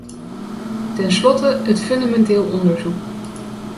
Tenslotte, het fundamenteel onderzoek.